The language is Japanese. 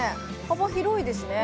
幅広いですね